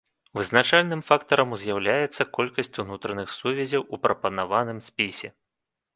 Вызначальным фактарам з'яўляецца колькасць унутраных сувязяў у прапанаваным спісе.